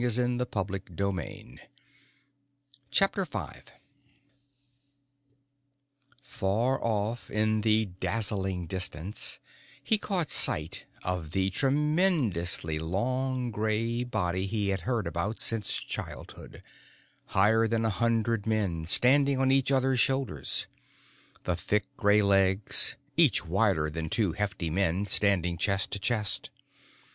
A Monster had come into the larder again. VI Far off in the dazzling distance, he caught sight of the tremendously long gray body he had heard about since childhood, higher than a hundred men standing on each other's shoulders, the thick gray legs each wider than two hefty men standing chest to chest.